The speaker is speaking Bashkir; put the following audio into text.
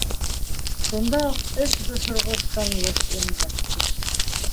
Шунда уҡ эс бошорғос тынлыҡ урынлашты.